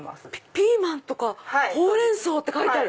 「ピーマン」とか「ほうれん草」って書いてある！